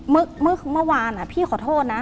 เมื่อวานพี่ขอโทษนะ